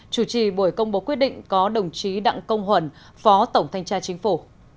chủ trì buổi công bố quyết định có đồng chí đặng công huẩn phó tổng thanh tra chính phủ